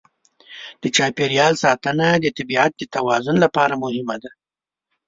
د چاپېریال ساتنه د طبیعت د توازن لپاره مهمه ده.